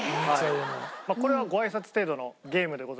これはごあいさつ程度のゲームでございますので。